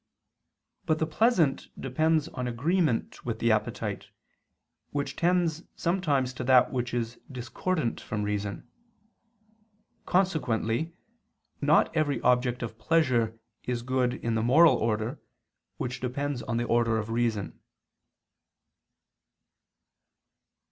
But the pleasant depends on agreement with the appetite, which tends sometimes to that which is discordant from reason. Consequently not every object of pleasure is good in the moral order which depends on the order of reason.